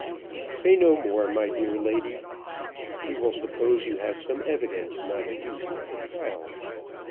"Say no more, my dear lady. We will suppose you have some evidence not adduced at the trial.